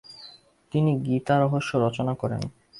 তিনি গীতা রহস্য রচনা করেন।